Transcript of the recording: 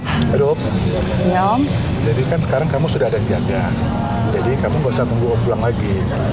aduh om jadi kan sekarang kamu sudah ada niatnya jadi kamu nggak usah tunggu om pulang lagi